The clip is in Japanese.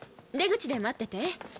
出口で待ってて。